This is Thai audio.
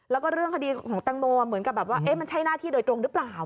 แล้วก็เรื่องคดีของแตงโมเหมือนกับแบบว่ามันใช่หน้าที่โดยตรงหรือเปล่า